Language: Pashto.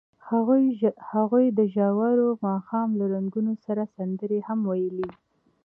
هغوی د ژور ماښام له رنګونو سره سندرې هم ویلې.